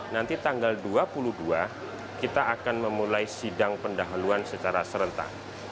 nanti tanggal dua puluh dua kita akan memulai sidang pendahuluan secara serentak